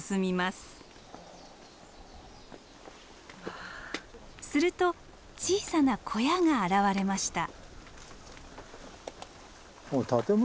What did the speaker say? すると小さな小屋が現れました。